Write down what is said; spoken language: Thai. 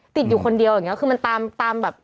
ติดอยู่คนเดียวอย่างนี้คือมันตามตามแบบ